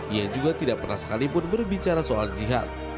ia juga tidak pernah sekalipun berbicara soal jihad